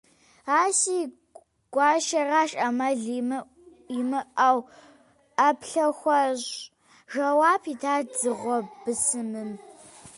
- Ар си гуащэращ, Ӏэмал имыӀэу ӀэплӀэ хуэщӀ, - жэуап итащ дзыгъуэ бысымым.